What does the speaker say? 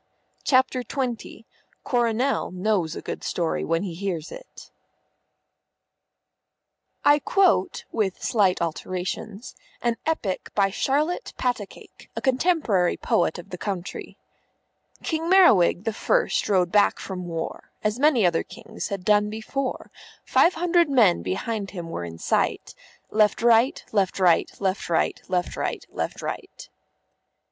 CHAPTER XX CORONEL KNOWS A GOOD STORY WHEN HE HEARS IT I quote (with slight alterations) from an epic by Charlotte Patacake, a contemporary poet of the country: King Merriwig the First rode back from war, As many other Kings had done before; Five hundred men behind him were in sight _(Left right, left right, left right, left right, left right).